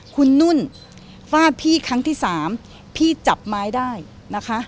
คุณนุ่นฟาดพี่ครั้งที่สามพี่จับไม้ได้นะคะ